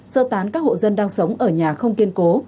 sơ tán các hộ dân đang sống ở nhà không kiên cố